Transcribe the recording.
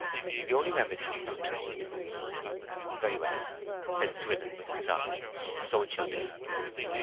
The only remedy is not to meet.' 'Very well,' said Swithin, with a sigh. 'So it shall be.'